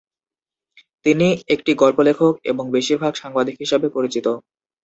তিনি একটি গল্প লেখক, এবং বেশিরভাগ সাংবাদিক হিসাবে পরিচিত।